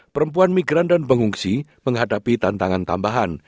perempuan migran dan pengungsi menghadapi tantangan tambahan